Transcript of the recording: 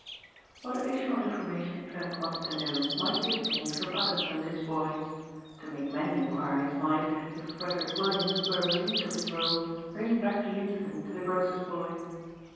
What additional information Trent wanted to know might be obtained from other than this boy. To make many inquiries might, if Frederick Williams were relieved of his roll, bring back the incident to the grocer's boy.